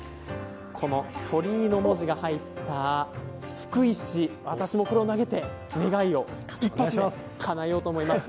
この鳥居の文字が入った福石、私もこれを投げて願いをかなえようと思います。